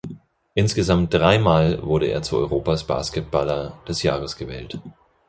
Insgesamt dreimal wurde er zu Europas Basketballer des Jahres gewählt.